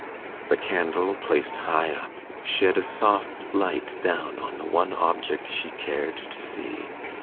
The candle, placed high up, shed a soft light down on the one object she cared to see.